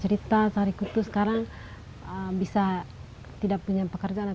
cerita cerita tarikutu sekarang bisa tidak punya pekerjaan